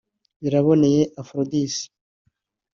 Biraboneye Aphrodice